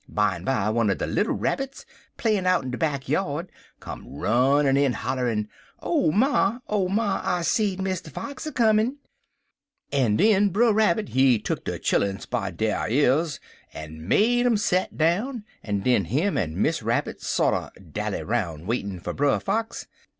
Bimeby one er de little Rabbits, playin' out in de back yard, come runnin' in hollerin', 'Oh, ma! oh, ma! I seed Mr. Fox a comin'!' En den Brer Rabbit he tuck de chilluns by der years en make um set down, en den him and Miss Rabbit sorter dally roun' waitin' for Brer Fox.